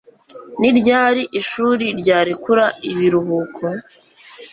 Ni ryari ishuri ryarekura ibiruhuko